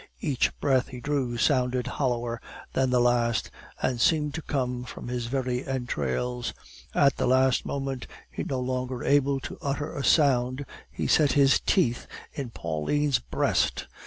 Each breath he drew sounded hollower than the last, and seemed to come from his very entrails. At the last moment, no longer able to utter a sound, he set his teeth in Pauline's breast.